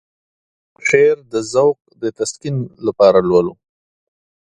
شعر د ذوق د تسکين لپاره لولو.